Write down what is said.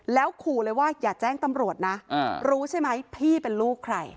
แล้วขู่เลยว่าอย่าแจ้งตำรวจนะรู้ใช่ไหมพี่เป็นลูกใคร